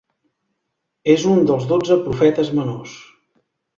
És un dels dotze profetes menors.